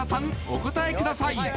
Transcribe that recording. お答えください！